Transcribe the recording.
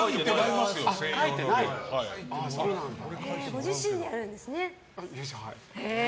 ご自身でやるんですね。